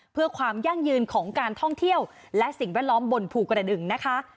เพื่อความยั่งยืนของการท่องเที่ยวและสิ่งแวดล้อมบนภูกระดึงนะคะ